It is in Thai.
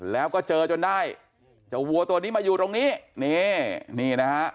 แล้วก็เจอจนได้เจ้าวัวตัวนี้มาอยู่ตรงนี้นี่นี่นะฮะ